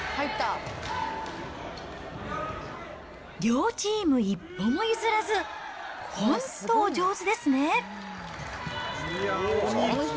両チーム一歩も譲らず、本当、お上手ですね。